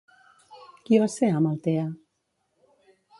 Qui va ser Amaltea?